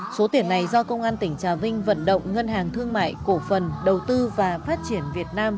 số tiền này do công an tỉnh trà vinh vận động ngân hàng thương mại cổ phần đầu tư và phát triển việt nam